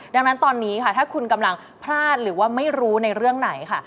ดังนั้นตอนนี้ค่ะถ้าคุณกำลังพลาดหรือว่าไม่รู้ในเรื่องไหนค่ะ